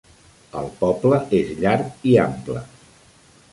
El poble és llarg i ample.